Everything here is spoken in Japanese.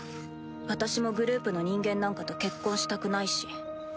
私もグループの人間なんかと結婚したくないし。